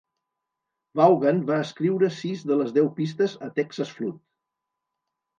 Vaughan va escriure sis de les deu pistes a "Texas Flood".